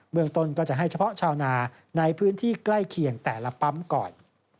เมืองต้นก็จะให้เฉพาะชาวนาในพื้นที่ใกล้เคียงแต่ละปั๊มก่อน